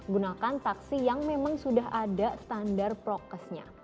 gunakan taksi yang memang sudah ada standar prokesnya